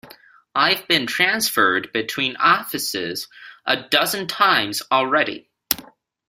I've been transferred between offices a dozen times already.